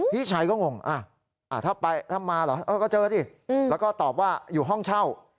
พี่ชายก็งงถ้าไปถ้ามาเหรอก็เจอดิแล้วก็ตอบว่าอยู่ห้องเช่า